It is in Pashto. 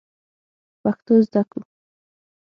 پښتو زده کوو